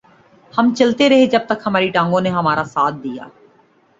ہم چلتے رہے جب تک ہماری ٹانگوں نے ہمارا ساتھ دیا